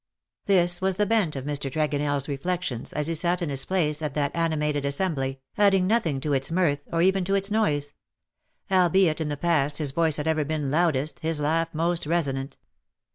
^* This was the bent of Mr. TregonelFs reflections as he sat in his place at that animated assembly, adding nothing to its mirth, or even to its noise ; albeit in the past his voice had ever been loudest, his laugh most resonant.